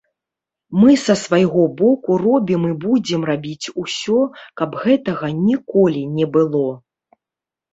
Мы са свайго боку робім і будзем рабіць усё, каб гэтага ніколі не было.